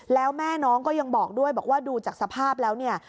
แล้วแม่น้องก็ยังบอกด้วยบอกว่าดูจากสภาพแล้วเนี่ย